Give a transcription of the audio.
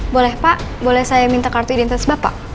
boleh pak boleh saya minta kartu identitas bapak